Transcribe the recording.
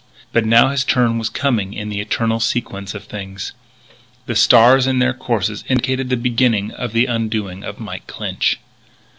But now his turn was coming in the Eternal Sequence of things. The stars in their courses indicated the beginning of the undoing of Mike Clinch.